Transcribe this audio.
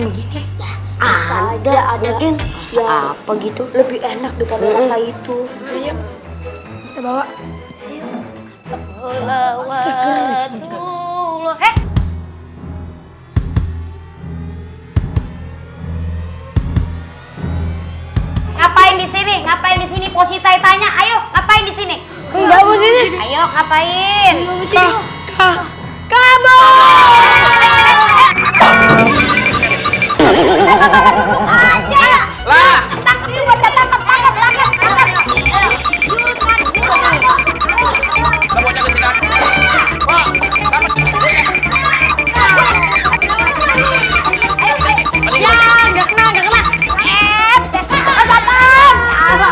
disini ngapain di sini nih posisi tanya ayo ngapain di sini langsung bersih ayo